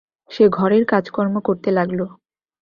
সে ঘরের কাজকর্ম করতে লাগল।